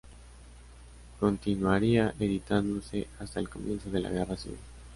Continuaría editándose hasta el comienzo de la Guerra civil.